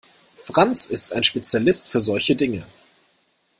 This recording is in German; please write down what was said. Franz ist ein Spezialist für solche Dinge.